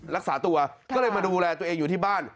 รักษาตัวก็เลยมาดูแลตัวเองอยู่ที่บ้าน